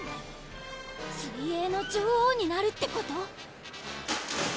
水泳の女王になるってこと？